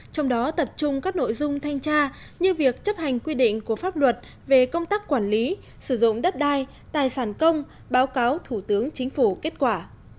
trong đó tập trung các nội dung thanh tra như việc chấp hành quy định của pháp luật về công tác quản lý sử dụng đất đai tài sản công báo cáo thủ tướng chính phủ kết quả